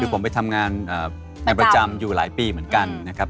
ผมไปทำงานในประจำอยู่หลายปีเหมือนกันนะครับ